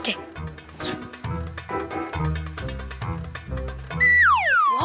pak dek pak ustadz musa